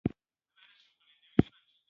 ورته و مې ويل چې نه غواړم د چا له نفرت وګورم.